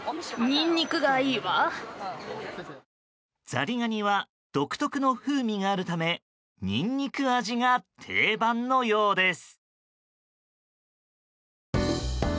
ザリガニは独特の風味があるためニンニク味が定番のようです。